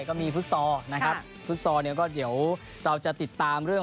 ก็มีพุทธศนะครับพุทธศเนี้ยก็เดี๋ยวเราจะติดตามเรื่อง